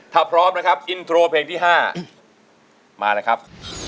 ถ้าพร้อมนะครับอินโทรเพลงที่๕มาเลยครับ